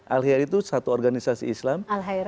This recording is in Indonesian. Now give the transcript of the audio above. al hiyah itu satu organisasi islam